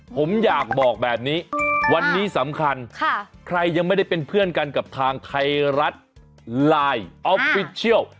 ผมอยากบอกแบบนี้วันนี้สำคัญใครยังไม่ได้เป็นเพื่อนกันกับทางไทยรัฐไลน์ออฟฟิชเชียล